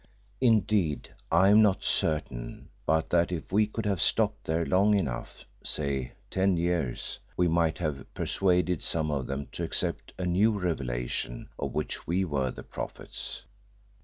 Indeed, I am not certain but that if we could have stopped there long enough, say ten years, we might have persuaded some of them to accept a new revelation of which we were the prophets.